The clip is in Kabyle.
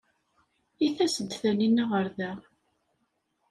I tas-d Taninna ɣer da?